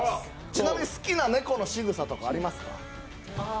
ちなみに好きな猫のしぐさとかありますか？